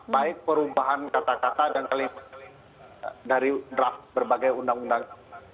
baik perubahan kata kata dan dari draft berbagai undang undang